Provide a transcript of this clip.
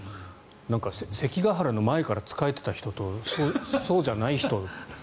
関ケ原の前から仕えていた人とそうじゃない人。